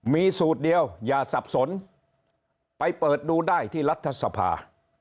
มีสูตรเดียวอย่าสับสนไปเปิดดูได้ที่รัฐสภา